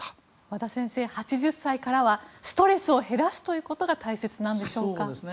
和田先生、８０歳からはストレスを減らすということが大切なんでしょうか。